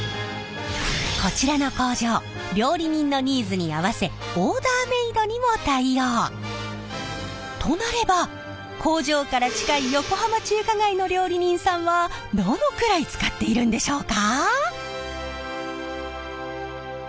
こちらの工場料理人のとなれば工場から近い横浜中華街の料理人さんはどのくらい使っているんでしょうか？